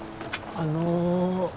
あの。